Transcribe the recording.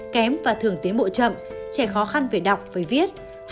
kém và thường tiến bộ chậm trẻ khó khăn về đọc phải viết